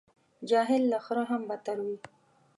جاهل له خره هم بدتر وي.